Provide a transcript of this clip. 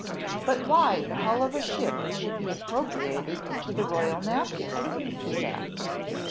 "But why the hull of a ship should be appropriated to the royal napkins?" was asked.